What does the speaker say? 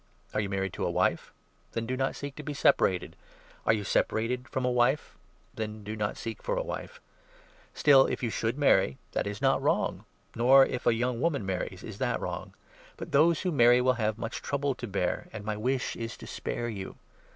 Are you married to a wife? 27 Then do not seek to be separated. Are you separated from a wife ? Then do not seek for a wife. Still, if you should marry, 28 that is not wrong ; nor, if a young woman marries, is that wrong. But those who marry will have much trouble to bear, and my wish is to spare you.